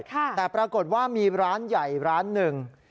แต่ปรากฏว่ามีร้านใหญ่ร้านหนึ่ง